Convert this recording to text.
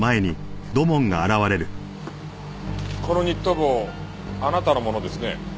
このニット帽あなたのものですね。